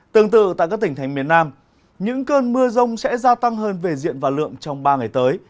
tương tự tại các tỉnh thành miền nam những cơn mưa rông sẽ gia tăng hơn về diện và lượng trong ba ngày tới